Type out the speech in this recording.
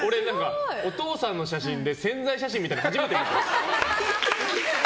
お父さんの写真で宣材写真初めて見た。